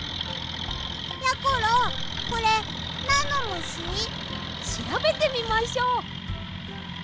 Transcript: やころこれなんのむし？しらべてみましょう。